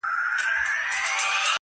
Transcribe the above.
بې څښلو مي مِزاج د مستانه دی,